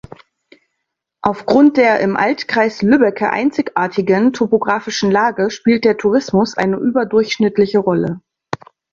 Aufgrund der im Altkreis Lübbecke einzigartigen topografischen Lage, spielt der Tourismus eine überdurchschnittliche Rolle.